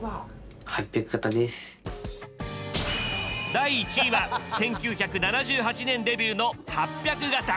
第１位は１９７８年デビューの８００形。